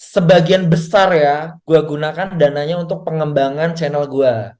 sebagian besar ya gue gunakan dananya untuk pengembangan channel gue